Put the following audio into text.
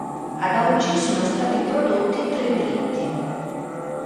Ad oggi, sono stati prodotti tre dritti.